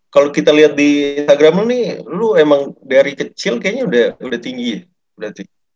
kalau kita lihat di instagram nih lu emang dari kecil kayaknya udah tinggi ya